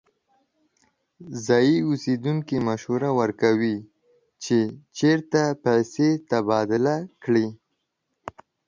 ځایی اوسیدونکی مشوره ورکوي چې چیرته پیسې تبادله کړي.